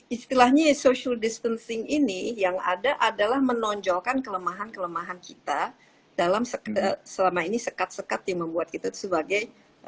istilahnya social distancing ini yang ada adalah menonjolkan kelemahan kelemahan kita dalam selama ini sekat sekat yang membuat kita sebagai